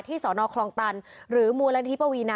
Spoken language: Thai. ที่สอนอคลองตัน